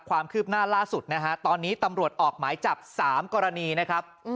ความคืบหน้าล่าสุดนะฮะตอนนี้ตำรวจออกหมายจับ๓กรณีนะครับ